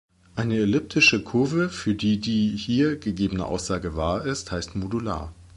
Eine elliptische Kurve, für die die hier gegebene Aussage wahr ist, heißt modular.